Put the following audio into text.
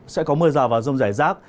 sẽ có mưa rào và rông rải rác